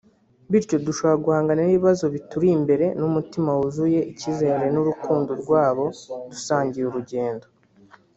bityo dushobore guhangana n’ibibazo bituri imbere n’umutima wuzuye icyizere n’urukundo rwabo dusangiye urugendo